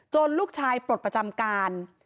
ลูกชายปลดประจำการ